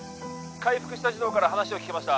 回復した児童から話を聞きました